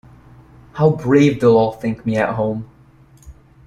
How brave they’ll all think me at home!